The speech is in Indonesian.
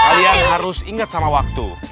kalian harus ingat sama waktu